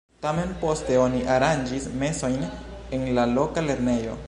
Tamen poste oni aranĝis mesojn en la loka lernejo.